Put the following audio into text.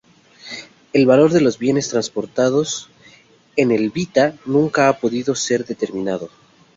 El valor de los bienes transportados en el "Vita" nunca ha podido ser determinado.